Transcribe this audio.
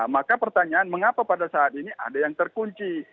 maka pertanyaan mengapa pada saat ini ada yang terkunci